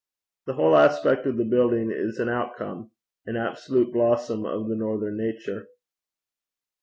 The whole aspect of the building is an outcome, an absolute blossom of the northern nature.